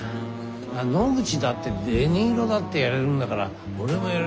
野口だってデ・ニーロだってやれるんだから俺もやれるよ。